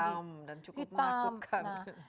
hitam dan cukup mengakutkan